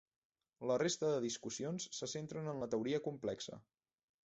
La resta de discussions se centren en la teoria complexa.